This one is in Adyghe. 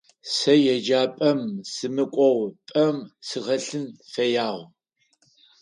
Сэ еджапӏэм сымыкӏоу пӏэм сыхэлъын фэягъ.